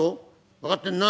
分かってんな？」。